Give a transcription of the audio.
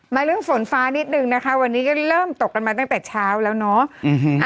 เรื่องฝนฟ้านิดนึงนะคะวันนี้ก็เริ่มตกกันมาตั้งแต่เช้าแล้วเนาะ